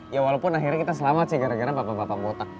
ya walaupun akhirnya kita selamat sih gara gara bapak bapak botak